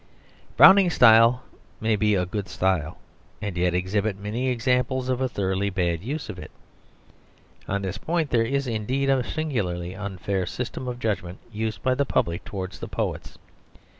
Browning's style may be a good style, and yet exhibit many examples of a thoroughly bad use of it. On this point there is indeed a singularly unfair system of judgment used by the public towards the poets.